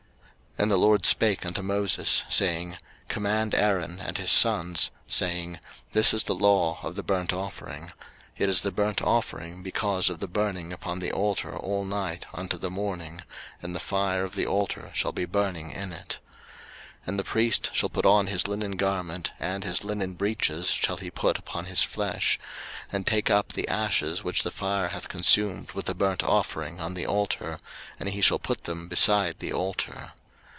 03:006:008 And the LORD spake unto Moses, saying, 03:006:009 Command Aaron and his sons, saying, This is the law of the burnt offering: It is the burnt offering, because of the burning upon the altar all night unto the morning, and the fire of the altar shall be burning in it. 03:006:010 And the priest shall put on his linen garment, and his linen breeches shall he put upon his flesh, and take up the ashes which the fire hath consumed with the burnt offering on the altar, and he shall put them beside the altar.